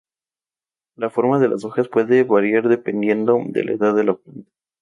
La forma de las hojas puede variar dependiendo de la edad de la planta.